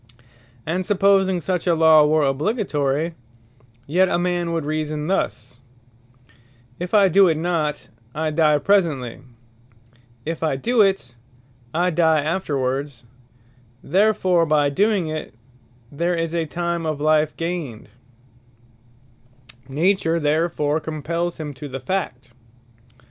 And supposing such a Law were obligatory; yet a man would reason thus, "If I doe it not, I die presently; if I doe it, I die afterwards; therefore by doing it, there is time of life gained;" Nature therefore compells him to the fact.